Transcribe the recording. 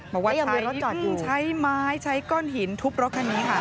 เพราะว่าใช้ไม้ใช้ก้อนหินทุบรถคันนี้ค่ะ